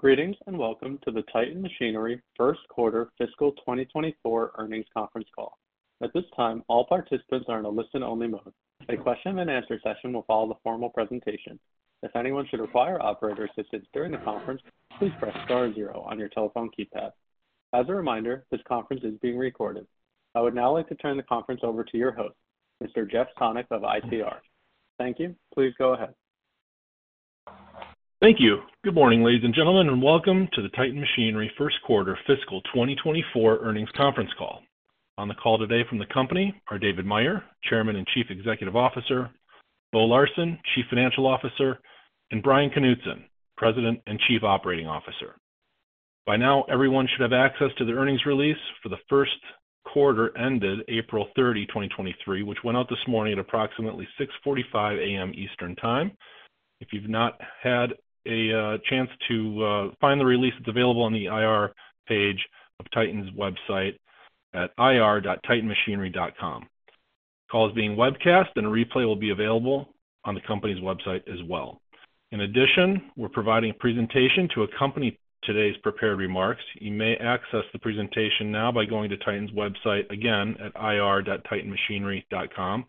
Greetings, and welcome to the Titan Machinery First Quarter Fiscal 2024 Earnings Conference Call. At this time, all participants are in a listen-only mode. A question-and-answer session will follow the formal presentation. If anyone should require operator assistance during the conference, please press star zero on your telephone keypad. As a reminder, this conference is being recorded. I would now like to turn the conference over to your host, Mr. Jeff Sonnek of ICR. Thank you. Please go ahead. Thank you. Good morning, ladies and gentlemen, welcome to the Titan Machinery First Quarter Fiscal 2024 Earnings Conference Call. On the call today from the company are David Meyer, Chairman and Chief Executive Officer, Bo Larsen, Chief Financial Officer, and Bryan Knutson, President and Chief Operating Officer. By now, everyone should have access to the earnings release for the first quarter ended April 30, 2023, which went out this morning at approximately 6:45 A.M. Eastern Time. If you've not had a chance to find the release, it's available on the IR page of Titan's website at ir.titanmachinery.com. Call is being webcast, and a replay will be available on the company's website as well. In addition, we're providing a presentation to accompany today's prepared remarks. You may access the presentation now by going to Titan's website, again, at ir.titanmachinery.com.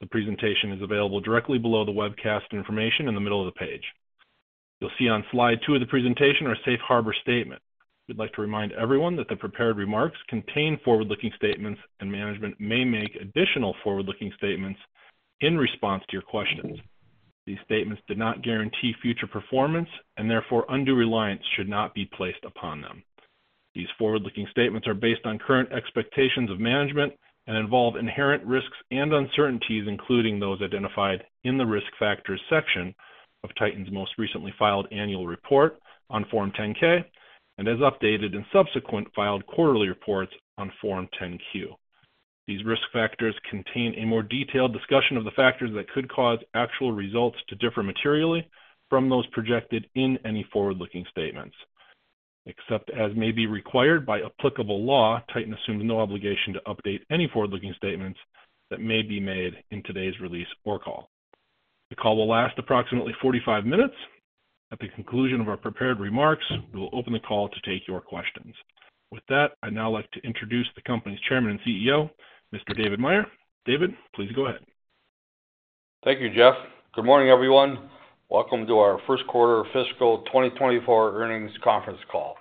The presentation is available directly below the webcast information in the middle of the page. You'll see on slide two of the presentation our Safe Harbor statement. We'd like to remind everyone that the prepared remarks contain forward-looking statements, and management may make additional forward-looking statements in response to your questions. These statements do not guarantee future performance, and therefore, undue reliance should not be placed upon them. These forward-looking statements are based on current expectations of management and involve inherent risks and uncertainties, including those identified in the Risk Factors section of Titan's most recently filed annual report on Form 10-K, and as updated in subsequent filed quarterly reports on Form 10-Q. These risk factors contain a more detailed discussion of the factors that could cause actual results to differ materially from those projected in any forward-looking statements. Except as may be required by applicable law, Titan assumes no obligation to update any forward-looking statements that may be made in today's release or call. The call will last approximately 45 minutes. At the conclusion of our prepared remarks, we will open the call to take your questions. With that, I'd now like to introduce the company's Chairman and CEO, Mr. David Meyer. David, please go ahead. Thank you, Jeff. Good morning, everyone. Welcome to our first quarter fiscal 2024 earnings conference call.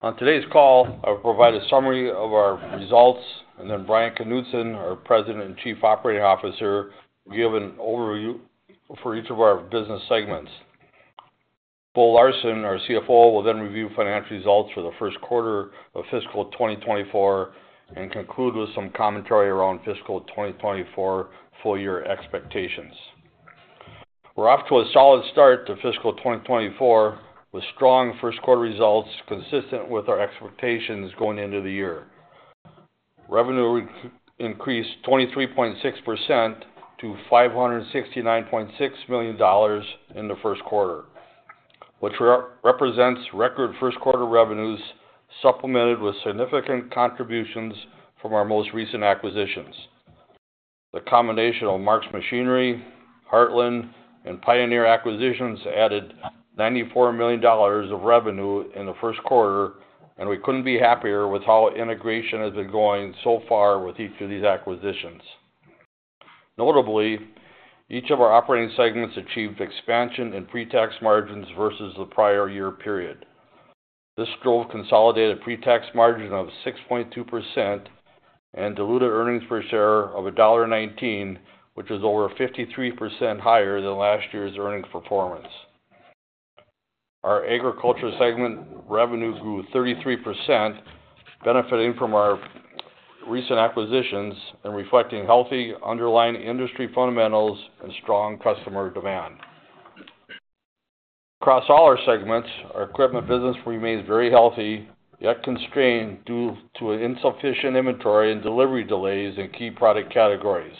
On today's call, I'll provide a summary of our results, and then Bryan Knutson, our President and Chief Operating Officer, will give an overview for each of our business segments. Bo Larsen, our CFO, will then review financial results for the first quarter of fiscal 2024 and conclude with some commentary around fiscal 2024 full year expectations. We're off to a solid start to fiscal 2024, with strong first quarter results consistent with our expectations going into the year. Revenue increased 23.6% to $569.6 million in the first quarter, which represents record first quarter revenues, supplemented with significant contributions from our most recent acquisitions. The combination of Mark's Machinery, Heartland, and Pioneer acquisitions added $94 million of revenue in the first quarter, we couldn't be happier with how integration has been going so far with each of these acquisitions. Notably, each of our operating segments achieved expansion in pretax margins versus the prior year period. This drove consolidated pretax margin of 6.2% and diluted earnings per share of $1.19, which is over 53% higher than last year's earnings performance. Our agriculture segment revenue grew 33%, benefiting from our recent acquisitions and reflecting healthy underlying industry fundamentals and strong customer demand. Across all our segments, our equipment business remains very healthy, yet constrained due to insufficient inventory and delivery delays in key product categories.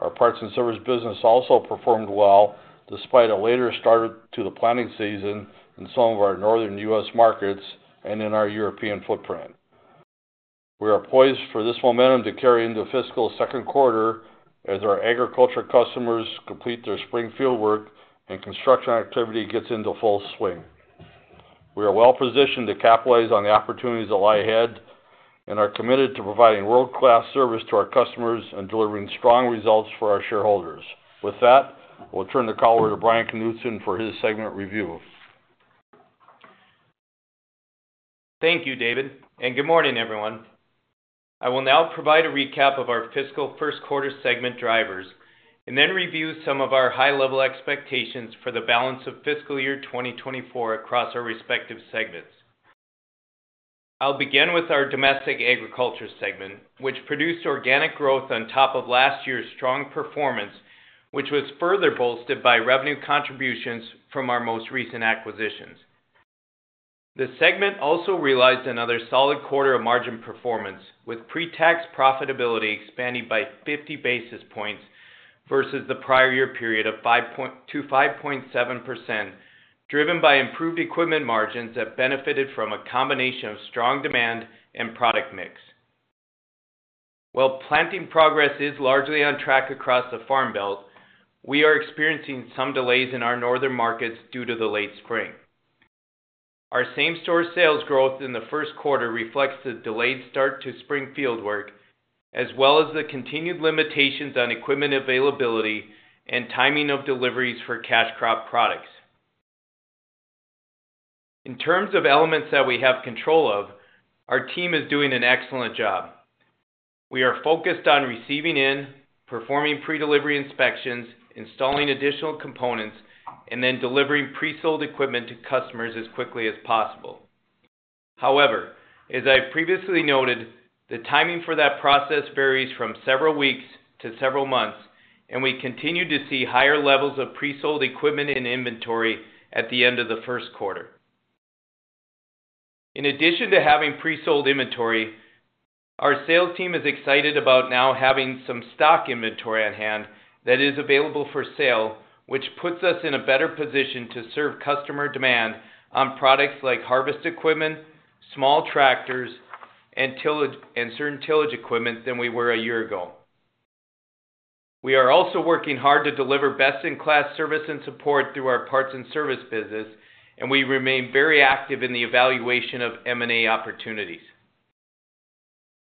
Our parts and service business also performed well, despite a later start to the planning season in some of our northern U.S. markets and in our European footprint. We are poised for this momentum to carry into fiscal second quarter as our agriculture customers complete their spring fieldwork and construction activity gets into full swing. We are well-positioned to capitalize on the opportunities that lie ahead and are committed to providing world-class service to our customers and delivering strong results for our shareholders. We'll turn the call over to Bryan Knutson for his segment review. Thank you, David, and good morning, everyone. I will now provide a recap of our fiscal first quarter segment drivers and then review some of our high-level expectations for the balance of fiscal year 2024 across our respective segments. I'll begin with our domestic agriculture segment, which produced organic growth on top of last year's strong performance, which was further bolstered by revenue contributions from our most recent acquisitions. The segment also realized another solid quarter of margin performance, with pretax profitability expanding by 50 basis points versus the prior year period to 5.7%, driven by improved equipment margins that benefited from a combination of strong demand and product mix. While planting progress is largely on track across the farm belt, we are experiencing some delays in our northern markets due to the late spring. Our same-store sales growth in the first quarter reflects the delayed start to spring field work, as well as the continued limitations on equipment availability and timing of deliveries for cash crop products. In terms of elements that we have control of, our team is doing an excellent job. We are focused on receiving in, performing pre-delivery inspections, installing additional components, and then delivering pre-sold equipment to customers as quickly as possible. As I previously noted, the timing for that process varies from several weeks to several months, and we continue to see higher levels of pre-sold equipment and inventory at the end of the first quarter. In addition to having pre-sold inventory, our sales team is excited about now having some stock inventory at hand that is available for sale, which puts us in a better position to serve customer demand on products like harvest equipment, small tractors, and certain tillage equipment than we were a year ago. We are also working hard to deliver best-in-class service and support through our parts and service business, and we remain very active in the evaluation of M&A opportunities.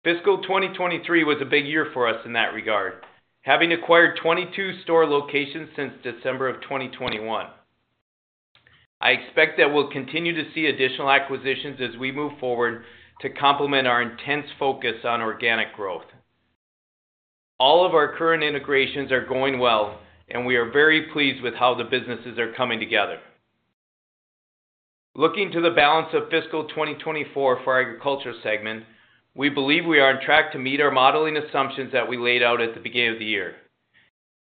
Fiscal 2023 was a big year for us in that regard, having acquired 22 store locations since December of 2021. I expect that we'll continue to see additional acquisitions as we move forward to complement our intense focus on organic growth. All of our current integrations are going well, and we are very pleased with how the businesses are coming together. Looking to the balance of fiscal 2024 for our agriculture segment, we believe we are on track to meet our modeling assumptions that we laid out at the beginning of the year.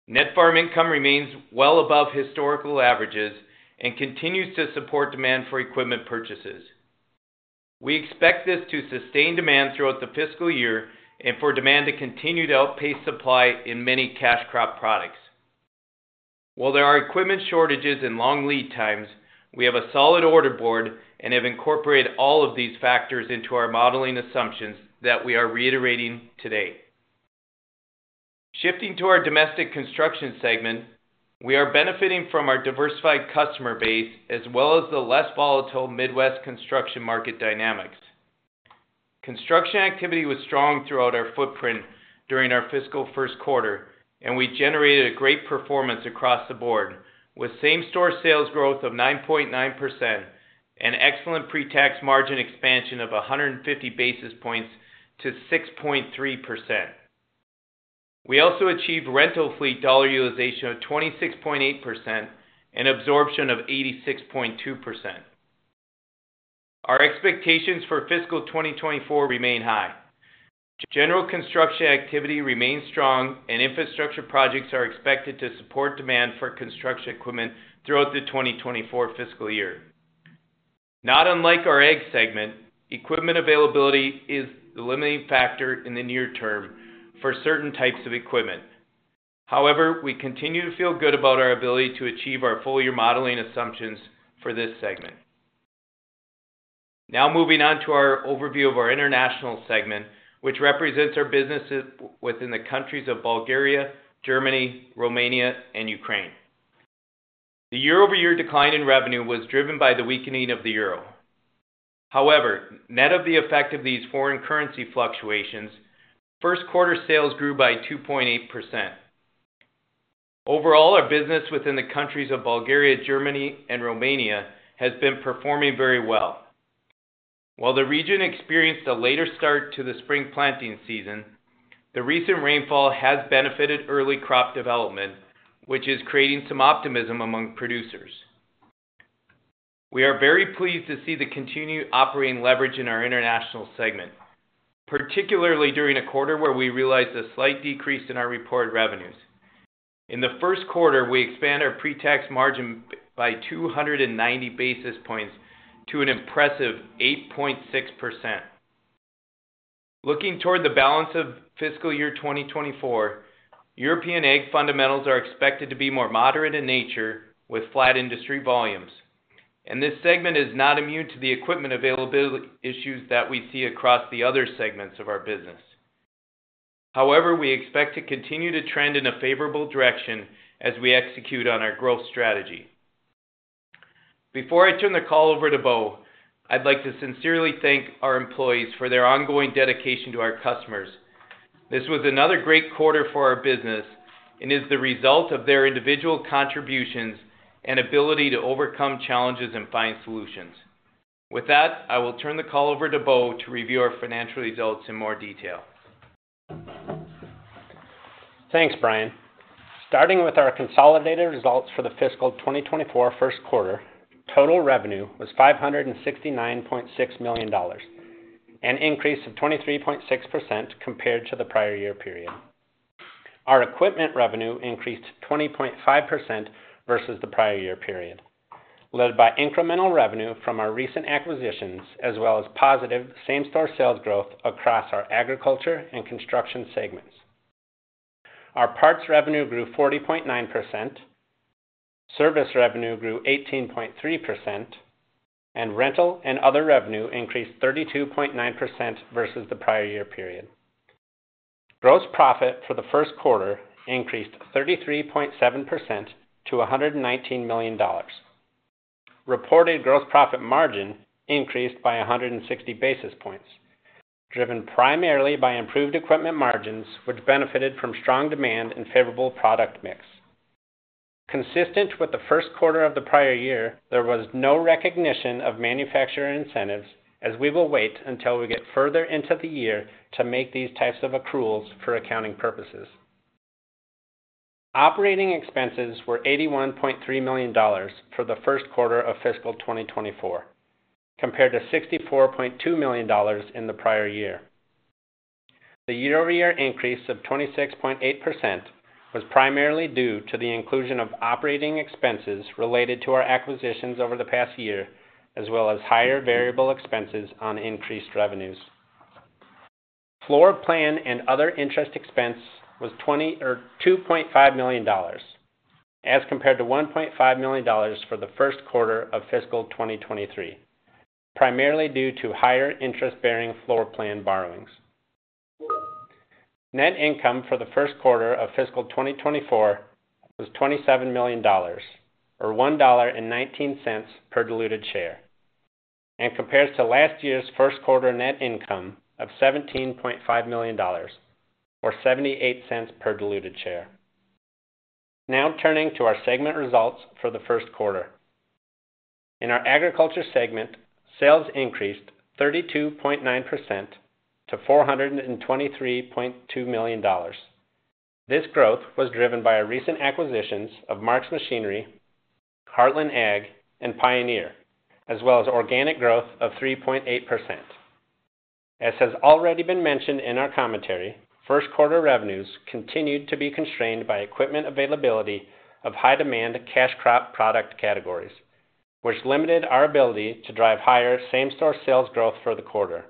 net farm income remains well above historical averages and continues to support demand for equipment purchases. We expect this to sustain demand throughout the fiscal year and for demand to continue to outpace supply in many cash crop products. While there are equipment shortages and long lead times, we have a solid order board and have incorporated all of these factors into our modeling assumptions that we are reiterating today. Shifting to our domestic construction segment, we are benefiting from our diversified customer base, as well as the less volatile Midwest construction market dynamics. Construction activity was strong throughout our footprint during our fiscal first quarter. We generated a great performance across the board, with same-store sales growth of 9.9% and excellent pre-tax margin expansion of 150 basis points to 6.3%. We also achieved rental fleet dollar utilization of 26.8% and absorption of 86.2%. Our expectations for fiscal 2024 remain high. General construction activity remains strong. Infrastructure projects are expected to support demand for construction equipment throughout the 2024 fiscal year. Not unlike our ag segment, equipment availability is the limiting factor in the near term for certain types of equipment. However, we continue to feel good about our ability to achieve our full year modeling assumptions for this segment. Now, moving on to our overview of our international segment, which represents our businesses within the countries of Bulgaria, Germany, Romania, and Ukraine. The year-over-year decline in revenue was driven by the weakening of the euro. However, net of the effect of these foreign currency fluctuations, first quarter sales grew by 2.8%. Overall, our business within the countries of Bulgaria, Germany, and Romania has been performing very well. While the region experienced a later start to the spring planting season, the recent rainfall has benefited early crop development, which is creating some optimism among producers. We are very pleased to see the continued operating leverage in our international segment, particularly during a quarter where we realized a slight decrease in our reported revenues. In the first quarter, we expanded our pre-tax margin by 290 basis points to an impressive 8.6%. Looking toward the balance of fiscal year 2024, European ag fundamentals are expected to be more moderate in nature, with flat industry volumes. This segment is not immune to the equipment availability issues that we see across the other segments of our business. However, we expect to continue to trend in a favorable direction as we execute on our growth strategy. Before I turn the call over to Bo, I'd like to sincerely thank our employees for their ongoing dedication to our customers. This was another great quarter for our business and is the result of their individual contributions and ability to overcome challenges and find solutions. With that, I will turn the call over to Bo to review our financial results in more detail. Thanks, Bryan. Starting with our consolidated results for the fiscal 2024 first quarter, total revenue was $569.6 million, an increase of 23.6% compared to the prior year period. Our equipment revenue increased 20.5% versus the prior year period, led by incremental revenue from our recent acquisitions, as well as positive same-store sales growth across our agriculture and construction segments. Parts revenue grew 40.9%, service revenue grew 18.3%, and rental and other revenue increased 32.9% versus the prior year period. Gross profit for the first quarter increased 33.7% to $119 million. Reported gross profit margin increased by 160 basis points, driven primarily by improved equipment margins, which benefited from strong demand and favorable product mix. Consistent with the first quarter of the prior year, there was no recognition of manufacturer incentives, as we will wait until we get further into the year to make these types of accruals for accounting purposes. Operating expenses were $81.3 million for the first quarter of fiscal 2024, compared to $64.2 million in the prior year. The year-over-year increase of 26.8% was primarily due to the inclusion of operating expenses related to our acquisitions over the past year, as well as higher variable expenses on increased revenues. Floorplan and other interest expense was $2.5 million, as compared to $1.5 million for the first quarter of fiscal 2023, primarily due to higher interest-bearing Floorplan borrowings. Net income for the first quarter of fiscal 2024 was $27 million, or $1.19 per diluted share, and compares to last year's first quarter net income of $17.5 million, or $0.78 per diluted share. Turning to our segment results for the first quarter. In our agriculture segment, sales increased 32.9% to $423.2 million. This growth was driven by our recent acquisitions of Mark's Machinery, Heartland Ag, and Pioneer, as well as organic growth of 3.8%. As has already been mentioned in our commentary, first quarter revenues continued to be constrained by equipment availability of high-demand cash crop product categories, which limited our ability to drive higher same-store sales growth for the quarter.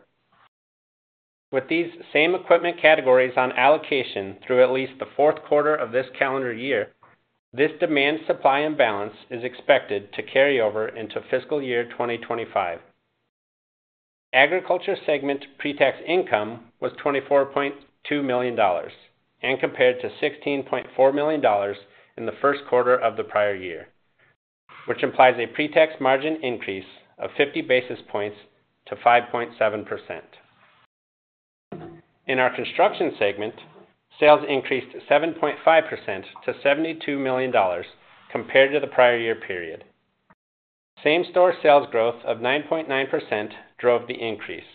With these same equipment categories on allocation through at least the fourth quarter of this calendar year, this demand-supply imbalance is expected to carry over into fiscal year 2025. Agriculture segment pretax income was $24.2 million and compared to $16.4 million in the first quarter of the prior year, which implies a pretax margin increase of 50 basis points to 5.7%. In our construction segment, sales increased 7.5% to $72 million compared to the prior year period. Same-store sales growth of 9.9% drove the increase,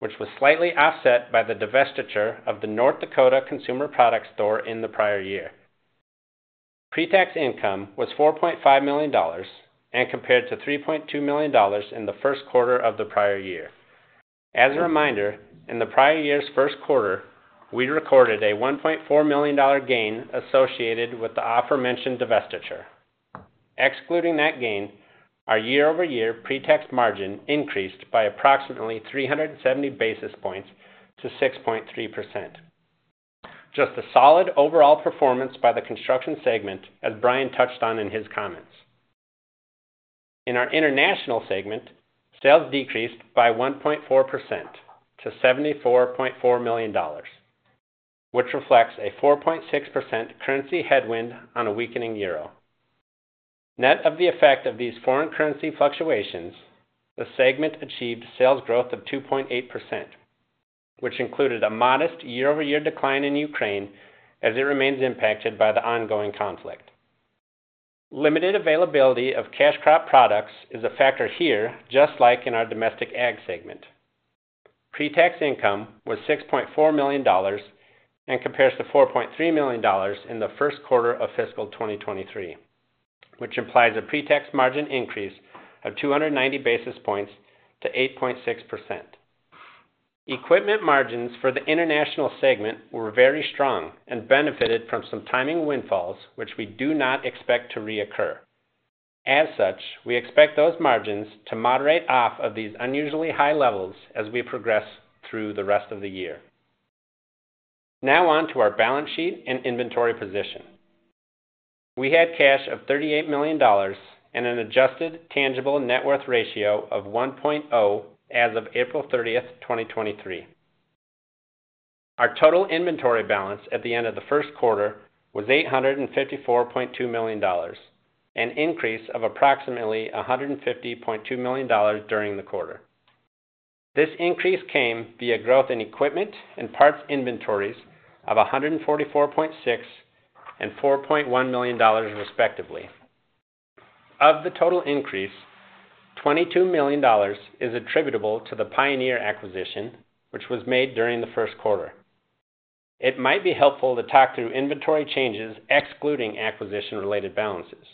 which was slightly offset by the divestiture of the North Dakota Consumer Product store in the prior year. Pretax income was $4.5 million and compared to $3.2 million in the first quarter of the prior year. As a reminder, in the prior year's first quarter, we recorded a $1.4 million gain associated with the aforementioned divestiture. Excluding that gain, our year-over-year pretax margin increased by approximately 370 basis points to 6.3%. Just a solid overall performance by the construction segment, as Brian touched on in his comments. In our international segment, sales decreased by 1.4% to $74.4 million, which reflects a 4.6% currency headwind on a weakening euro. Net of the effect of these foreign currency fluctuations, the segment achieved sales growth of 2.8%, which included a modest year-over-year decline in Ukraine as it remains impacted by the ongoing conflict. Limited availability of cash crop products is a factor here, just like in our domestic ag segment. Pretax income was $6.4 million and compares to $4.3 million in the first quarter of fiscal 2023, which implies a pretax margin increase of 290 basis points to 8.6%. Equipment margins for the international segment were very strong and benefited from some timing windfalls, which we do not expect to reoccur. As such, we expect those margins to moderate off of these unusually high levels as we progress through the rest of the year. On to our balance sheet and inventory position. We had cash of $38 million and an Adjusted Tangible Net Worth Ratio of 1.0 as of April 30th, 2023. Our total inventory balance at the end of the first quarter was $854.2 million, an increase of approximately $150.2 million during the quarter. This increase came via growth in equipment and parts inventories of $144.6 million and $4.1 million, respectively. Of the total increase, $22 million is attributable to the Pioneer acquisition, which was made during the first quarter. It might be helpful to talk through inventory changes excluding acquisition-related balances.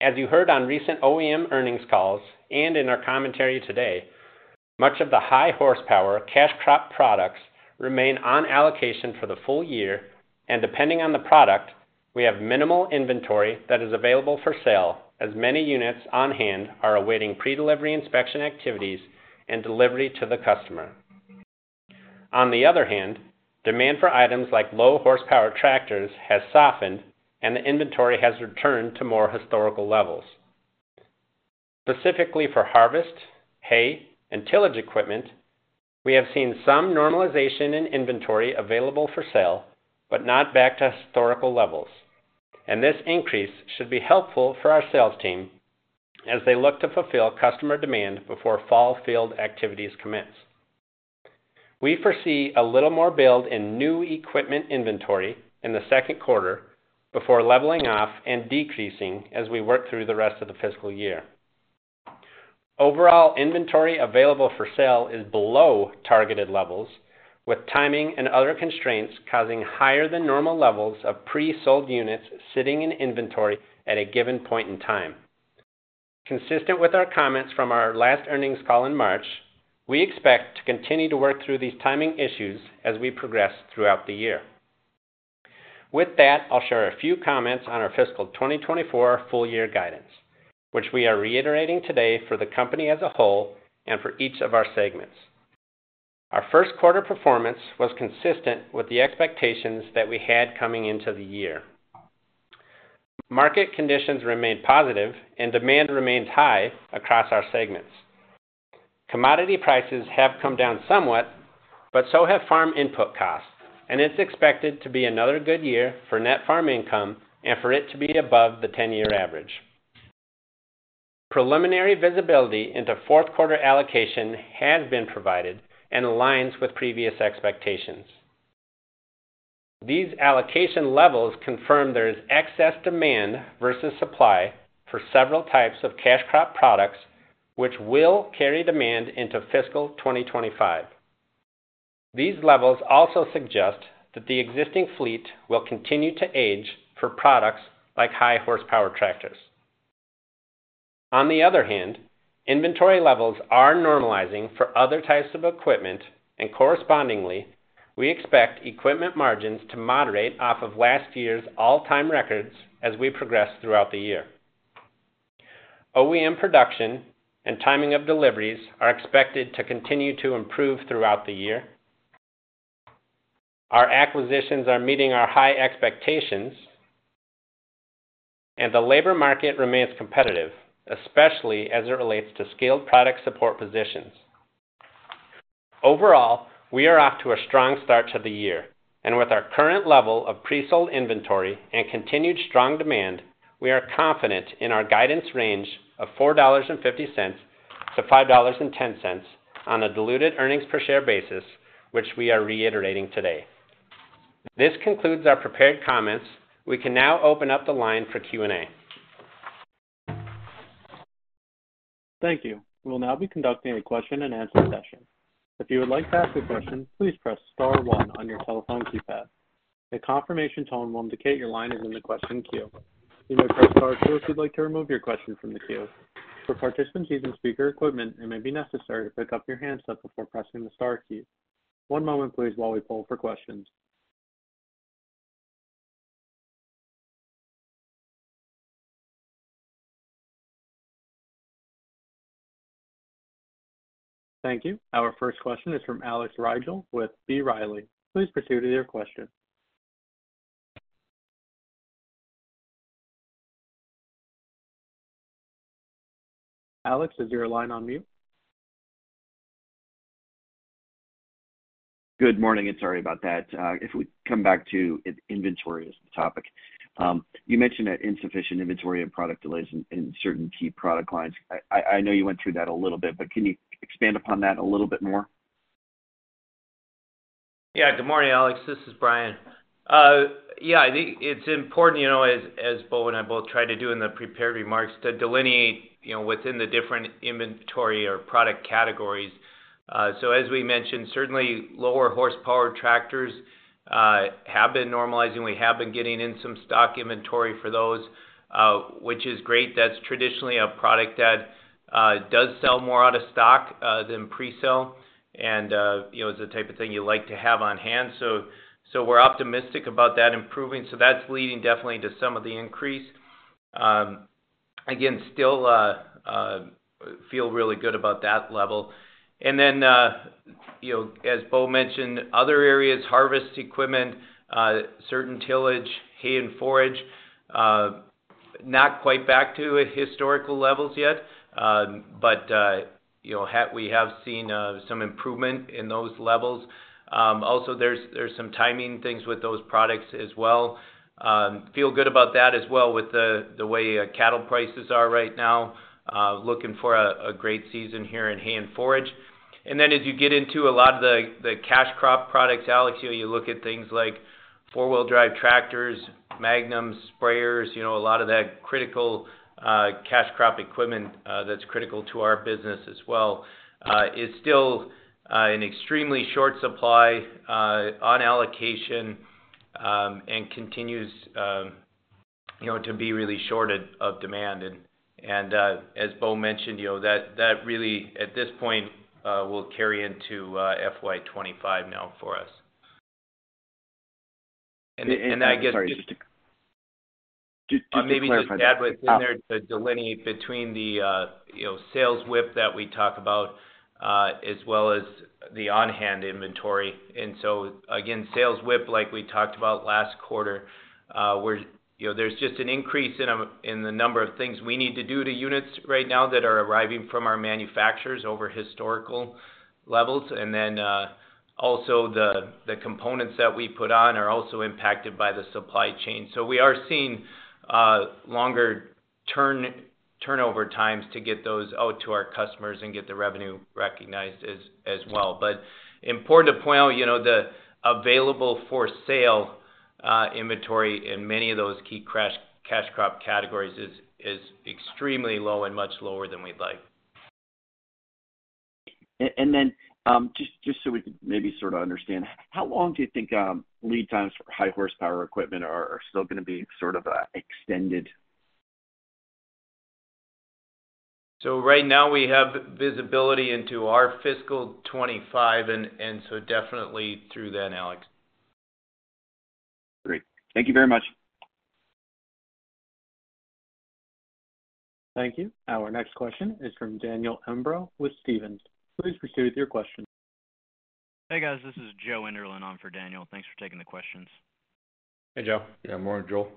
As you heard on recent OEM earnings calls and in our commentary today, much of the high horsepower cash crop products remain on allocation for the full year. We have minimal inventory that is available for sale, as many units on hand are awaiting pre-delivery inspection activities and delivery to the customer. On the other hand, demand for items like low horsepower tractors has softened, and the inventory has returned to more historical levels. Specifically for harvest, hay, and tillage equipment, we have seen some normalization in inventory available for sale, but not back to historical levels, and this increase should be helpful for our sales team as they look to fulfill customer demand before fall field activities commence. We foresee a little more build in new equipment inventory in the second quarter before leveling off and decreasing as we work through the rest of the fiscal year. Overall, inventory available for sale is below targeted levels, with timing and other constraints causing higher than normal levels of pre-sold units sitting in inventory at a given point in time. Consistent with our comments from our last earnings call in March, we expect to continue to work through these timing issues as we progress throughout the year. With that, I'll share a few comments on our fiscal 2024 full year guidance, which we are reiterating today for the company as a whole and for each of our segments. Our first quarter performance was consistent with the expectations that we had coming into the year. Market conditions remained positive and demand remains high across our segments. Commodity prices have come down somewhat, but so have farm input costs, and it's expected to be another good year for net farm income and for it to be above the 10-year average. Preliminary visibility into fourth quarter allocation has been provided and aligns with previous expectations. These allocation levels confirm there is excess demand versus supply for several types of cash crop products, which will carry demand into fiscal 2025. These levels also suggest that the existing fleet will continue to age for products like high horsepower tractors. On the other hand, inventory levels are normalizing for other types of equipment, and correspondingly, we expect equipment margins to moderate off of last year's all-time records as we progress throughout the year. OEM production and timing of deliveries are expected to continue to improve throughout the year. Our acquisitions are meeting our high expectations, and the labor market remains competitive, especially as it relates to skilled product support positions. Overall, we are off to a strong start to the year, and with our current level of pre-sold inventory and continued strong demand, we are confident in our guidance range of $4.50-$5.10 on a diluted earnings per share basis, which we are reiterating today. This concludes our prepared comments. We can now open up the line for Q&A. Thank you. We'll now be conducting a question-and-answer session. If you would like to ask a question, please press star one on your telephone keypad. A confirmation tone will indicate your line is in the question queue. You may press star two if you'd like to remove your question from the queue. For participants using speaker equipment, it may be necessary to pick up your handset before pressing the star key. One moment, please, while we poll for questions. Thank you. Our first question is from Alex Rygiel with B. Riley. Please proceed with your question. Alex, is your line on mute? Good morning. Sorry about that. If we come back to inventory as the topic, you mentioned that insufficient inventory and product delays in certain key product lines. I know you went through that a little bit, but can you expand upon that a little bit more? Good morning, Alex. This is Bryan. I think it's important, you know, as Bo and I both tried to do in the prepared remarks, to delineate, you know, within the different inventory or product categories. As we mentioned, certainly lower horsepower tractors have been normalizing. We have been getting in some stock inventory for those, which is great. That's traditionally a product that does sell more out of stock than pre-sale and, you know, is the type of thing you like to have on hand. We're optimistic about that improving. That's leading definitely to some of the increase. Again, still feel really good about that level. Then, you know, as Bo mentioned, other areas, harvest equipment, certain tillage, hay and forage, not quite back to historical levels yet, but, you know, we have seen some improvement in those levels. Also, there's some timing things with those products as well. Feel good about that as well, with the way cattle prices are right now, looking for a great season here in hay and forage. Then as you get into a lot of the cash crop products, Alex, you know, you look at things like four-wheel drive tractors, Magnums, sprayers, you know, a lot of that critical cash crop equipment, that's critical to our business as well, is still an extremely short supply on allocation, and continues... you know, to be really shorted of demand. As Bo mentioned, you know, that really, at this point, will carry into FY 2025 now for us. I guess- Sorry, just. Maybe just to add within there to delineate between the, you know, sales WIP that we talk about, as well as the on-hand inventory. Again, sales WIP, like we talked about last quarter, you know, there's just an increase in the number of things we need to do to units right now that are arriving from our manufacturers over historical levels. Also, the components that we put on are also impacted by the supply chain. We are seeing longer turnover times to get those out to our customers and get the revenue recognized as well. Important to point out, you know, the available for sale inventory in many of those key cash crop categories is extremely low and much lower than we'd like. Just so we can maybe sort of understand, how long do you think, lead times for high horsepower equipment are still gonna be sort of, extended? Right now, we have visibility into our fiscal 2025, and so definitely through then, Alex. Great. Thank you very much. Thank you. Our next question is from Daniel Baksht with Stephens. Please proceed with your question. Hey, guys, this is Joe Enderlin on for Daniel. Thanks for taking the questions. Hey, Joe. Yeah. Morning, Joe.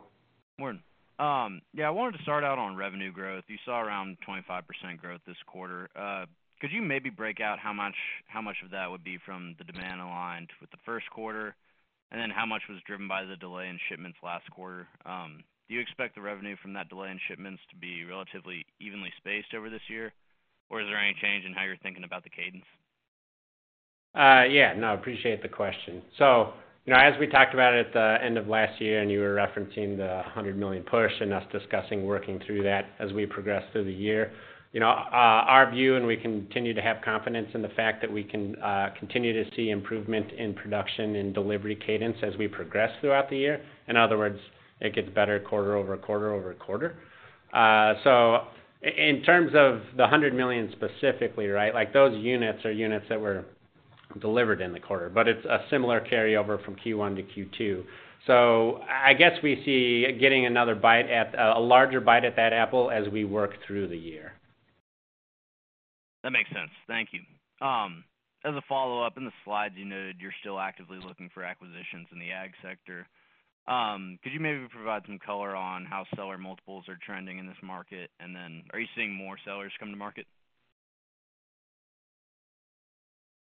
Morning. Yeah, I wanted to start out on revenue growth. You saw around 25% growth this quarter. Could you maybe break out how much of that would be from the demand aligned with the first quarter? How much was driven by the delay in shipments last quarter? Do you expect the revenue from that delay in shipments to be relatively evenly spaced over this year? Or is there any change in how you're thinking about the cadence? Yeah, no, appreciate the question. You know, as we talked about at the end of last year, and you were referencing the $100 million push and us discussing working through that as we progress through the year. You know, our view, and we continue to have confidence in the fact that we can continue to see improvement in production and delivery cadence as we progress throughout the year. In other words, it gets better quarter over quarter over quarter. In terms of the $100 million, specifically, right? Like, those units are units that were delivered in the quarter, but it's a similar carryover from Q1 to Q2. I guess we see getting another bite at a larger bite at that apple as we work through the year. That makes sense. Thank you. As a follow-up, in the slides, you noted you're still actively looking for acquisitions in the ag sector. Could you maybe provide some color on how seller multiples are trending in this market? Are you seeing more sellers come to market?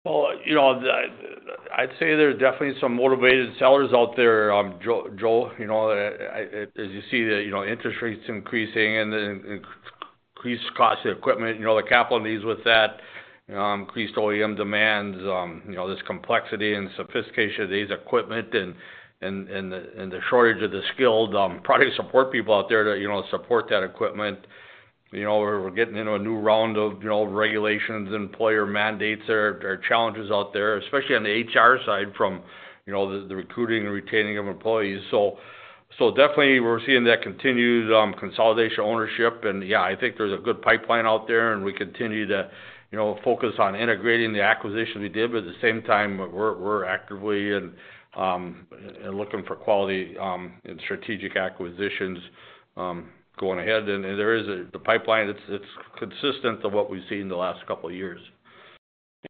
You know, I'd say there's definitely some motivated sellers out there, Joe Enderlin. As you see the, you know, interest rates increasing and then increased cost of equipment, you know, the capital needs with that, increased OEM demands, you know, this complexity and sophistication of these equipment and the shortage of the skilled product support people out there to, you know, support that equipment. We're getting into a new round of, you know, regulations and employer mandates. There are challenges out there, especially on the HR side, from, you know, the recruiting and retaining of employees. Definitely we're seeing that continued consolidation ownership. Yeah, I think there's a good pipeline out there, and we continue to, you know, focus on integrating the acquisition we did. At the same time, we're actively and looking for quality and strategic acquisitions going ahead. There is the pipeline, it's consistent of what we've seen in the last couple of years.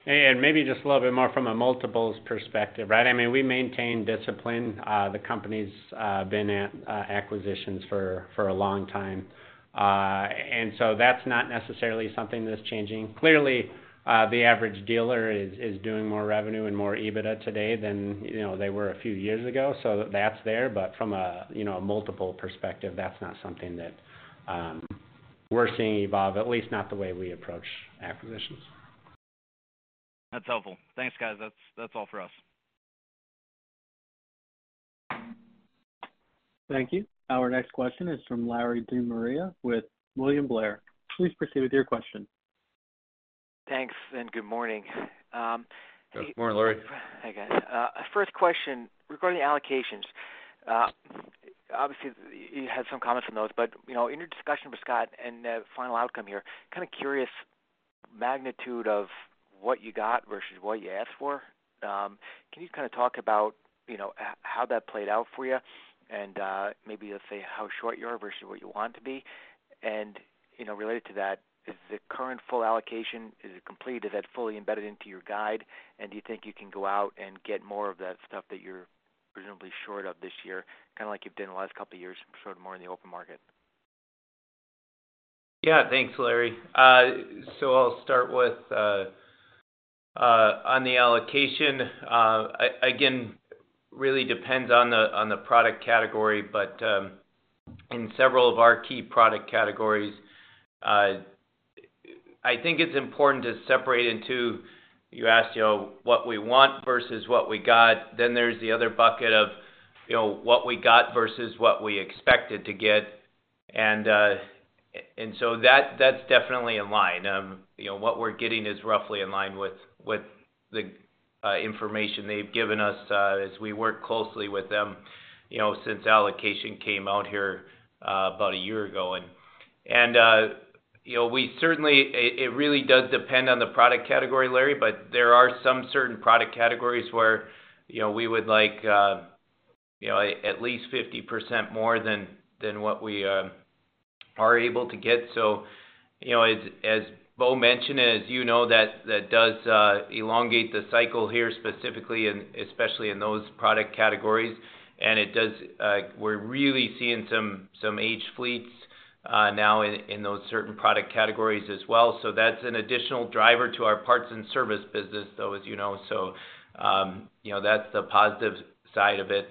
Maybe just a little bit more from a multiples perspective, right? I mean, we maintain discipline. The company's been at acquisitions for a long time. That's not necessarily something that's changing. Clearly, the average dealer is doing more revenue and more EBITDA today than, you know, they were a few years ago. That's there, but from a, you know, a multiple perspective, that's not something that, we're seeing evolve, at least not the way we approach acquisitions. That's helpful. Thanks, guys. That's all for us. Thank you. Our next question is from Larry DeMaria with William Blair. Please proceed with your question. Thanks, and good morning. Good morning, Larry. Hi, guys. First question, regarding allocations. Obviously, you had some comments on those, but, you know, in your discussion with Scott and the final outcome here, kind of curious magnitude of what you got versus what you asked for. Can you kind of talk about, you know, how that played out for you? Maybe, let's say, how short you are versus what you want to be. You know, related to that, is the current full allocation, is it complete? Is that fully embedded into your guide? Do you think you can go out and get more of that stuff that you're presumably short of this year, kind of like you've done the last couple of years, short more in the open market? Yeah. Thanks, Larry. I'll start with on the allocation. Again, really depends on the product category, but in several of our key product categories, I think it's important to separate into. You asked, you know, what we want versus what we got. There's the other bucket of, you know, what we got versus what we expected to get. That, that's definitely in line. You know, what we're getting is roughly in line with the information they've given us, as we work closely with them, you know, since allocation came out here, about a year ago. You know, we certainly, it really does depend on the product category, Larry, but there are some certain product categories where, you know, we would like, you know, at least 50% more than what we are able to get. You know, as Bo mentioned, and as you know, that does elongate the cycle here, specifically, especially in those product categories. It does, we're really seeing some aged fleets, now in those certain product categories as well. That's an additional driver to our parts and service business, though, as you know. You know, that's the positive side of it.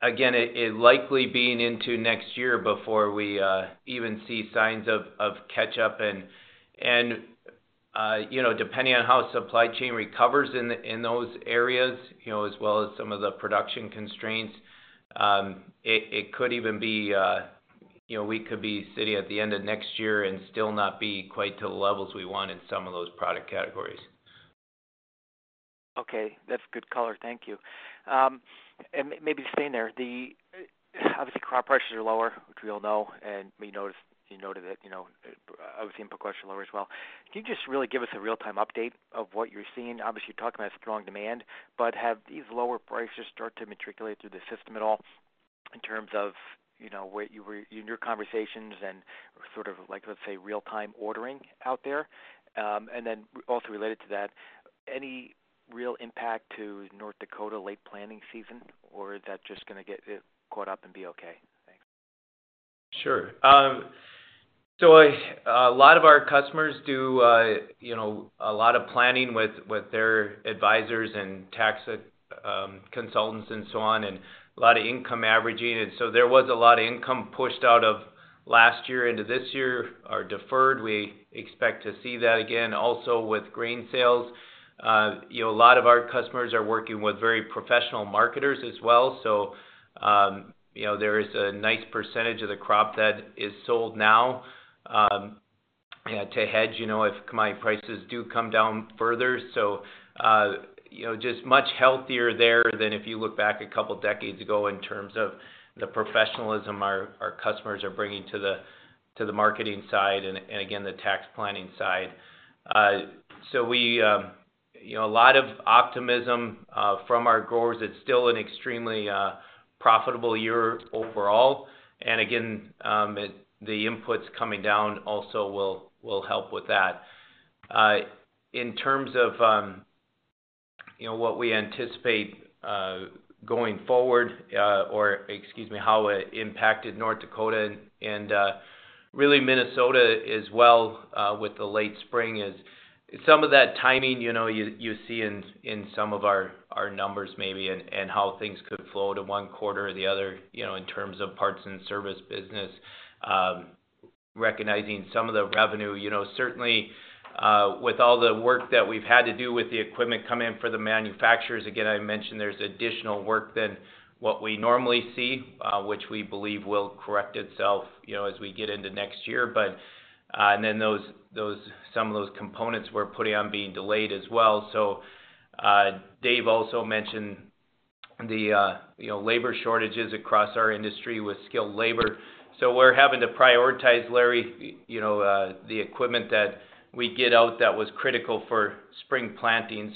Again, it likely being into next year before we even see signs of catch up. You know, depending on how supply chain recovers in those areas, you know, as well as some of the production constraints, it could even be, you know, we could be sitting at the end of next year and still not be quite to the levels we want in some of those product categories. Okay. That's good color. Thank you. Maybe staying there, obviously, crop prices are lower, which we all know, and we noticed, you noted it, you know, obviously, input prices are lower as well. Can you just really give us a real-time update of what you're seeing? Obviously, you're talking about strong demand, but have these lower prices started to matriculate through the system at all in terms of, you know, what you were in your conversations and sort of like, let's say, real-time ordering out there? Also related to that, any real impact to North Dakota late planting season, or is that just gonna get caught up and be okay? Thanks. Sure. A lot of our customers do, you know, a lot of planning with their advisors and tax consultants, and so on, and a lot of income averaging. There was a lot of income pushed out of last year into this year or deferred. We expect to see that again also with grain sales. You know, a lot of our customers are working with very professional marketers as well, you know, there is a nice percentage of the crop that is sold now to hedge, you know, if commodity prices do come down further. You know, just much healthier there than if you look back a couple of decades ago in terms of the professionalism our customers are bringing to the marketing side and again, the tax planning side. You know, a lot of optimism from our growers. It's still an extremely profitable year overall. Again, the inputs coming down also will help with that. In terms of, you know, what we anticipate going forward, or excuse me, how it impacted North Dakota and really Minnesota as well, with the late spring, is some of that timing, you know, you see in some of our numbers maybe, and how things could flow to one quarter or the other, you know, in terms of parts and service business. Recognizing some of the revenue, you know, certainly, with all the work that we've had to do with the equipment coming in for the manufacturers, again, I mentioned there's additional work than what we normally see, which we believe will correct itself, you know, as we get into next year. Those some of those components we're putting on being delayed as well. Dave also mentioned the, you know, labor shortages across our industry with skilled labor. We're having to prioritize, Larry, you know, the equipment that we get out that was critical for spring planting.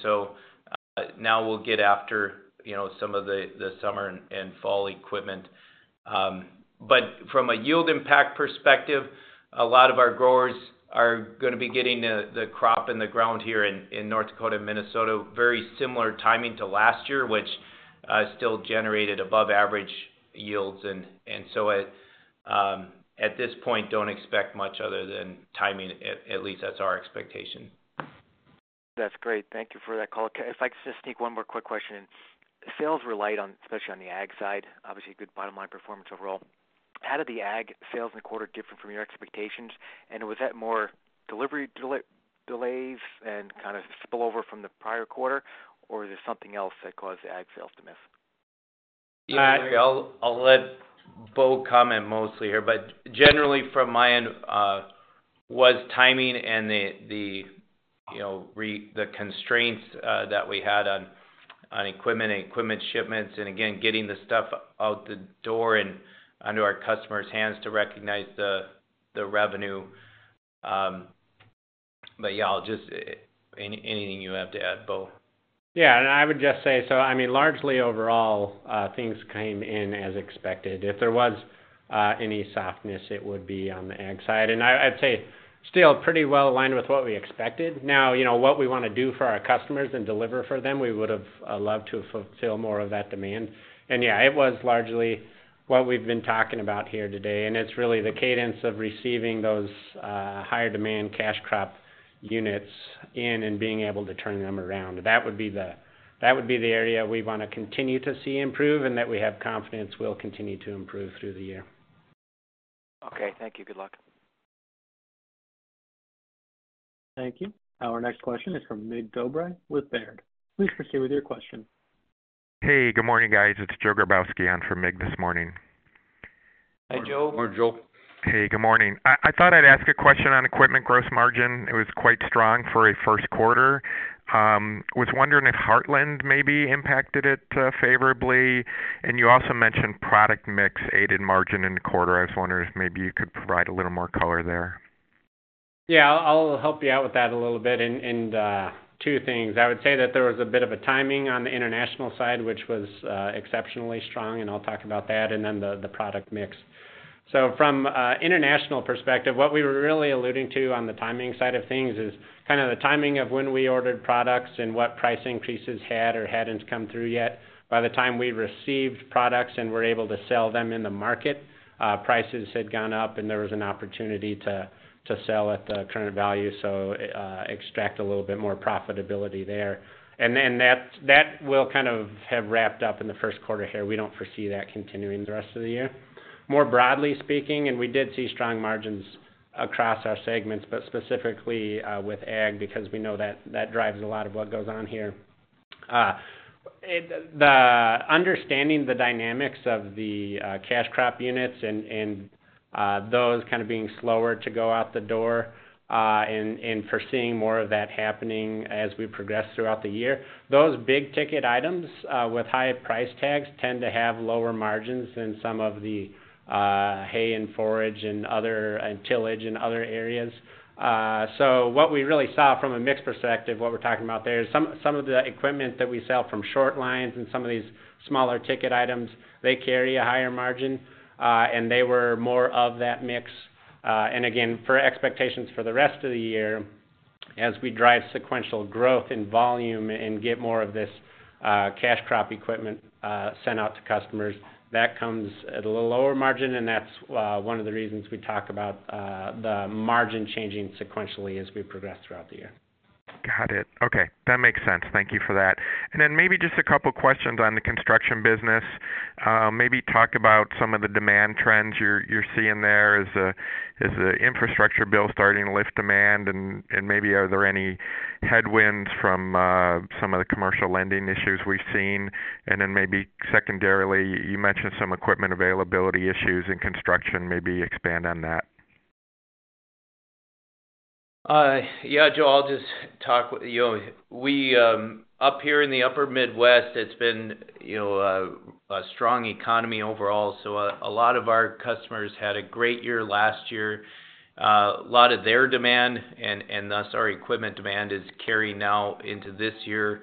Now we'll get after, you know, some of the summer and fall equipment. From a yield impact perspective, a lot of our growers are gonna be getting the crop in the ground here in North Dakota and Minnesota, very similar timing to last year, which still generated above average yields. At this point, don't expect much other than timing. At least that's our expectation. That's great. Thank you for that color. If I could just sneak one more quick question in. Sales were light on, especially on the ag side, obviously a good bottom line performance overall. How did the ag sales in the quarter differ from your expectations? Was that more delivery delays and kind of spill over from the prior quarter, or is there something else that caused the ag sales to miss? I'll let Bo comment mostly here, but generally from my end, was timing and the, you know, the constraints that we had on equipment and equipment shipments, and again, getting the stuff out the door and into our customers' hands to recognize the revenue. Yeah, I'll just. Anything you have to add, Bo? I would just say, I mean, largely overall, things came in as expected. If there was any softness, it would be on the ag side. I'd say still pretty well aligned with what we expected. Now, you know, what we want to do for our customers and deliver for them, we would've loved to fulfill more of that demand. Yeah, it was largely what we've been talking about here today, and it's really the cadence of receiving those, higher demand cash crop units in and being able to turn them around. That would be the area we want to continue to see improve and that we have confidence will continue to improve through the year. Okay. Thank you. Good luck. Thank you. Our next question is from Mig Dobre with Baird. Please proceed with your question. Hey, good morning, guys. It's Joe Grabowski on for Mig this morning. Hi, Joe. Good morning, Joe. Hey, good morning. I thought I'd ask a question on equipment gross margin. It was quite strong for a first quarter. Was wondering if Heartland maybe impacted it favorably? You also mentioned product mix aided margin in the quarter. I was wondering if maybe you could provide a little more color there? Yeah, I'll help you out with that a little bit. Two things. I would say that there was a bit of a timing on the International side, which was exceptionally strong, and I'll talk about that, and then the product mix. From an International perspective, what we were really alluding to on the timing side of things is kind of the timing of when we ordered products and what price increases had or hadn't come through yet. By the time we received products and were able to sell them in the market, prices had gone up, and there was an opportunity to sell at the current value, so extract a little bit more profitability there. That will kind of have wrapped up in the first quarter here. We don't foresee that continuing the rest of the year. More broadly speaking, we did see strong margins across our segments, but specifically, with ag, because we know that drives a lot of what goes on here. The understanding the dynamics of the cash crop units and those kind of being slower to go out the door, and foreseeing more of that happening as we progress throughout the year. Those big-ticket items, with high price tags tend to have lower margins than some of the hay and forage and tillage in other areas. What we really saw from a mix perspective, what we're talking about there is some of the equipment that we sell from short lines and some of these smaller-ticket items, they carry a higher margin, and they were more of that mix. Again, for expectations for the rest of the year, as we drive sequential growth in volume and get more of this, cash crop equipment, sent out to customers, that comes at a little lower margin, and that's one of the reasons we talk about the margin changing sequentially as we progress throughout the year. Got it. Okay, that makes sense. Thank you for that. Then maybe just a couple questions on the construction business. Maybe talk about some of the demand trends you're seeing there. Is the infrastructure bill starting to lift demand? Maybe are there any headwinds from some of the commercial lending issues we've seen? Then maybe secondarily, you mentioned some equipment availability issues in construction. Maybe expand on that? Yeah, Joe, I'll just talk with... You know, we, up here in the upper Midwest, it's been, you know, a strong economy overall, so a lot of our customers had a great year last year. A lot of their demand and thus our equipment demand is carrying now into this year.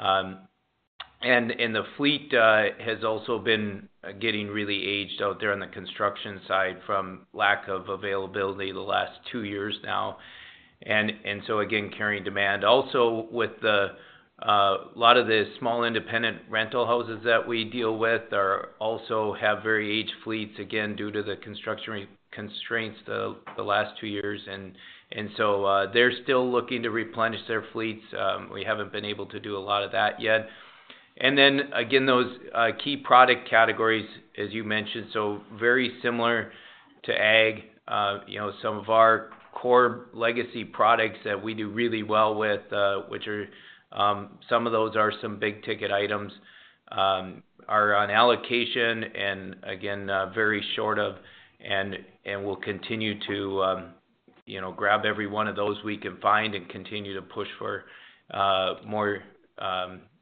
The fleet has also been getting really aged out there on the construction side from lack of availability the last two years now. Again, carrying demand. Also, with the a lot of the small independent rental houses that we deal with also have very aged fleets, again, due to the constructionary constraints the last two years. They're still looking to replenish their fleets. We haven't been able to do a lot of that yet. Then again, those key product categories, as you mentioned, so very similar to ag. You know, some of our core legacy products that we do really well with, which are some of those are some big-ticket items, are on allocation and again, very short of, and we'll continue to, you know, grab every one of those we can find and continue to push for more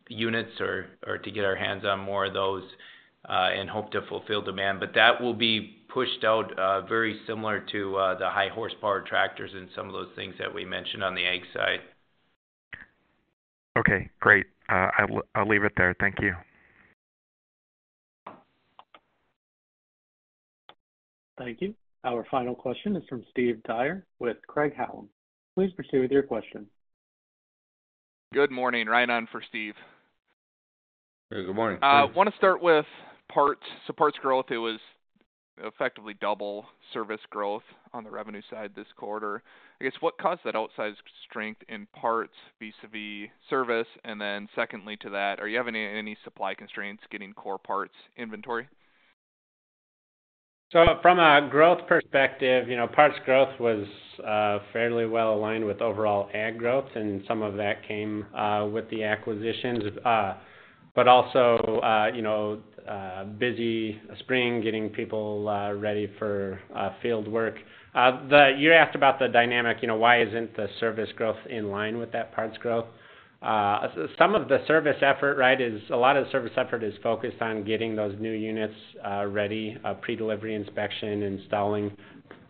units or to get our hands on more of those, and hope to fulfill demand. That will be pushed out, very similar to the high horsepower tractors and some of those things that we mentioned on the ag side. Okay, great. I'll leave it there. Thank you. Thank you. Our final question is from Steve Dyer with Craig-Hallum. Please proceed with your question. Good morning. Right on for Steve. Hey, good morning, Steve. Want to start with parts. Parts growth, it was effectively double service growth on the revenue side this quarter. I guess, what caused that outsized strength in parts vis-à-vis service? Secondly to that, are you having any supply constraints getting core parts inventory? From a growth perspective, you know, parts growth was fairly well aligned with overall ag growth, and some of that came with the acquisitions. Also, you know, busy spring, getting people ready for field work. You asked about the dynamic, you know, why isn't the service growth in line with that parts growth? A lot of the service effort is focused on getting those new units ready, pre-delivery inspection, installing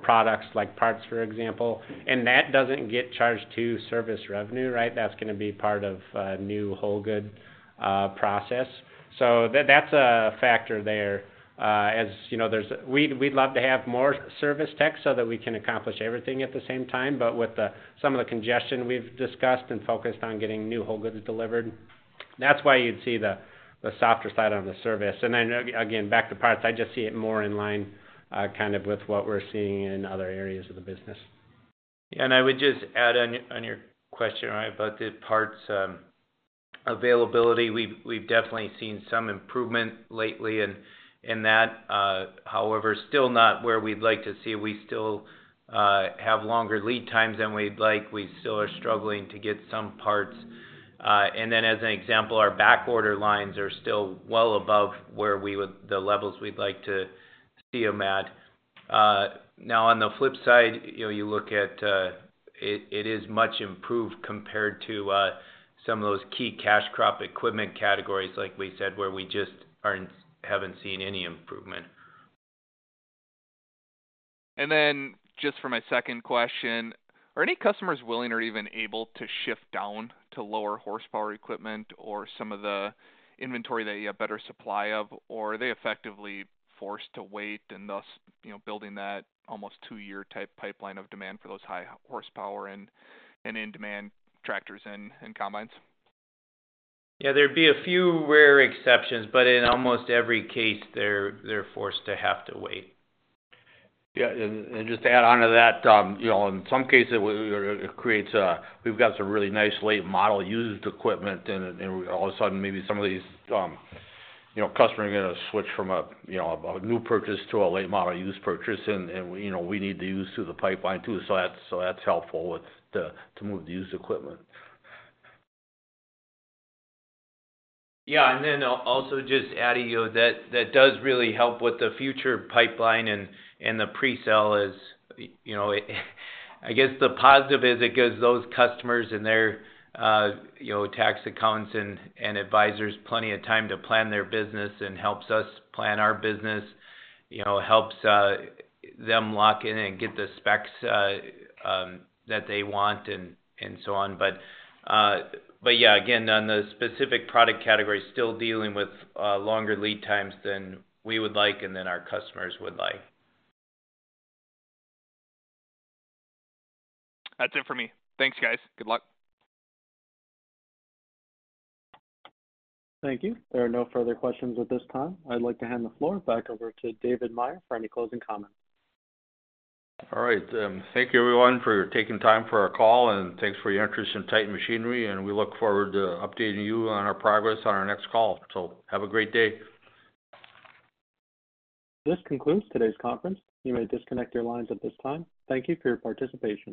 products like parts, for example. That doesn't get charged to service revenue, right? That's gonna be part of a new whole good process. That's a factor there. As you know, we'd love to have more service techs so that we can accomplish everything at the same time, but with some of the congestion we've discussed and focused on getting new whole goods delivered, that's why you'd see the softer side on the service. Again, back to parts, I just see it more in line, kind of with what we're seeing in other areas of the business. I would just add on your, on your question, right, about the parts availability, we've definitely seen some improvement lately in that. However, still not where we'd like to see. We still have longer lead times than we'd like. We still are struggling to get some parts. And then, as an example, our backorder lines are still well above where the levels we'd like to see them at. Now, on the flip side, you know, you look at, it is much improved compared to some of those key cash crop equipment categories, like we said, where we just haven't seen any improvement. Just for my second question, are any customers willing or even able to shift down to lower horsepower equipment or some of the inventory that you have better supply of? Or are they effectively forced to wait and thus, you know, building that almost two-year type pipeline of demand for those high horsepower and in-demand tractors and combines? Yeah, there'd be a few rare exceptions, but in almost every case, they're forced to have to wait. Yeah. Just to add onto that, you know, in some cases, we've got some really nice late-model used equipment. All of a sudden, maybe some of these, you know, customer are gonna switch from a, you know, a new purchase to a late-model used purchase. You know, we need to use through the pipeline, too. That's helpful with to move the used equipment. Yeah, also just adding, you know, that does really help with the future pipeline and the presale is, you know. I guess the positive is it gives those customers and their, you know, tax accountants and advisors plenty of time to plan their business and helps us plan our business. You know, helps them lock in and get the specs that they want and so on. But yeah, again, on the specific product category, still dealing with longer lead times than we would like, and than our customers would like. That's it for me. Thanks, guys. Good luck. Thank you. There are no further questions at this time. I'd like to hand the floor back over to David Meyer for any closing comments. All right. Thank you, everyone, for taking time for our call, and thanks for your interest in Titan Machinery, and we look forward to updating you on our progress on our next call. Have a great day. This concludes today's conference. You may disconnect your lines at this time. Thank you for your participation.